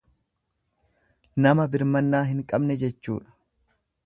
Nama birmannaa hin qabne jechuudha.